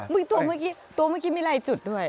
ตัวเมื่อกี้ตัวเมื่อกี้มีลายจุดด้วย